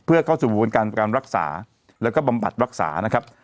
เพื่อเข้าสู่ประการรักษาและบำบัดรักษานะครับ